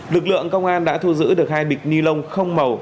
lực lượng công an đã thu giữ được hai bịch ni lông không màu